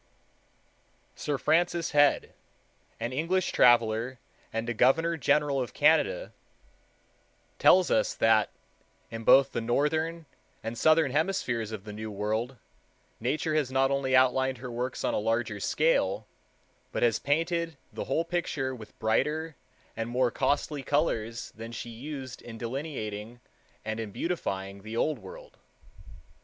Sir Francis Head, an English traveler and a Governor General of Canada, tells us that "in both the northern and southern hemispheres of the New World, Nature has not only outlined her works on a larger scale, but has painted the whole picture with brighter and more costly colors than she used in delineating and in beautifying the Old World....